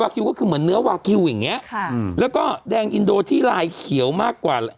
คิวก็คือเหมือนเนื้อวาคิวอย่างนี้แล้วก็แดงอินโดที่ลายเขียวมากกว่า